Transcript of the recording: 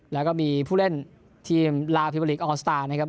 แล้วก็มีผู้เล่นทีมลาวพิเมอร์ลีกออสตาร์นะครับ